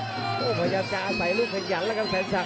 พนักเพชรต้องกรพยายามจะอาศัยลูกเผ็ดหยั่นล่ะครับสันสัก